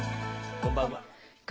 こんばんは。